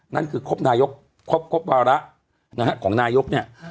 นั่นคือครบนายกครบครบวาระนะฮะของนายกเนี่ย